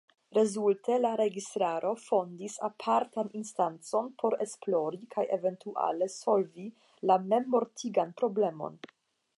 Rezulte la registaro fondis apartan instancon por esplori kaj eventuale solvi la memmortigan problemon.